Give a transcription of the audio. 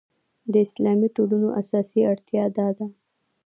د اسلامي ټولنو اساسي اړتیا دا ده.